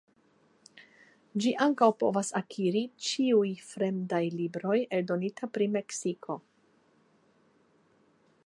Ĝi ankaŭ provas akiri ĉiuj fremdaj libroj eldonita pri Meksiko.